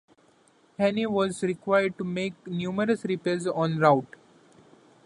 Haney was required to make numerous repairs on route.